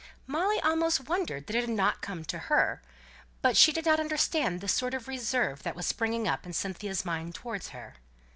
Molly almost wondered that it had not come to her; but she did not understand the sort of reserve that was springing up in Cynthia's mind towards her.